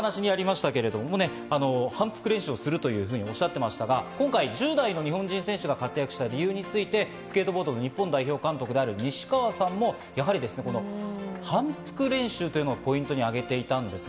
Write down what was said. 反復練習をするというふうにおっしゃっていましたが、１０代の日本人選手が活躍した理由について、スケートボードの日本代表監督である西川さんも反復練習をポイントに挙げていたんです。